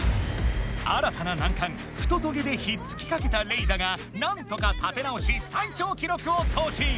新たな難関ふとトゲでひっつきかけたレイだがなんとか立て直し最長記録を更新！